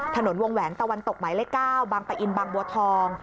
ถนนวงแหวนตะวันตกหมายเลข๙บางปะอินบางบัวทอง